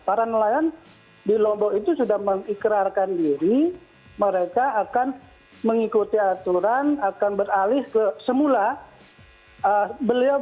para nelayan di lombok itu sudah mengikrarkan diri mereka akan mengikuti aturan akan beralih ke semula